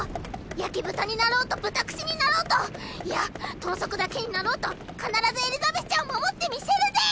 焼き豚になろうと豚串になろうといや豚足だけになろうと必ずエリザベスちゃんを守ってみせるぜ！